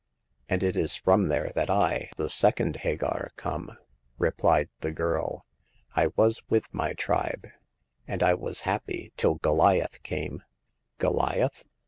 And it is from there that I, the second Hagar, come," replied the girl. " I was with my tribe, and I was happy till Goliath came." ^^ Goliath